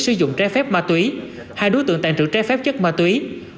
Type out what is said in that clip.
sử dụng trái phép ma túy hai đối tượng tạng trưởng trái phép chất ma túy